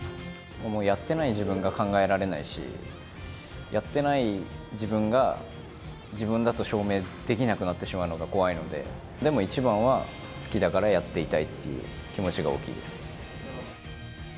もうやっていない自分が考えられないし、やってない自分が自分だと証明できなくなってしまうのが怖いので、でも一番は、好きだからやっていたいっていう気持ちが大きいです。